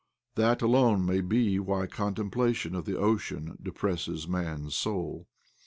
That alone may be why contemplation of the ocean depresses man's soul.